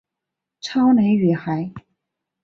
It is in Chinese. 超能女孩。